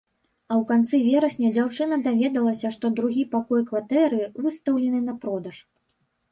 А ў канцы верасня дзяўчына даведалася, што другі пакой кватэры выстаўлены на продаж.